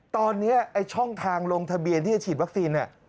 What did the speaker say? ตอนนี้ไอ้ช่องทางลงทะเบียนที่จะฉีดวัคซีนเนี่ย